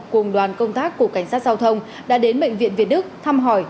cùng đoàn công tác của cảnh sát giao thông đã đến bệnh viện việt đức thăm hỏi